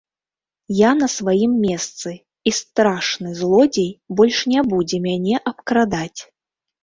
Я на сваім месцы, і страшны злодзей больш не будзе мяне абкрадаць!